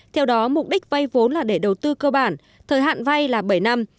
theo đó mục đích vay vốn là để đầu tư cơ bản thời hạn vay là bảy năm